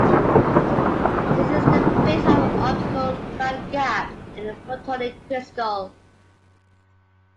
This is the basis of the optical band gap in a photonic crystal.